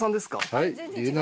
はい。